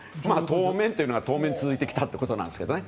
当面というのが当面続いてきたということですね。